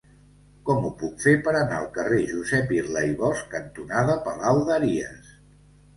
Com ho puc fer per anar al carrer Josep Irla i Bosch cantonada Palaudàries?